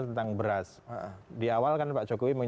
tentang beras di awal kan pak jokowi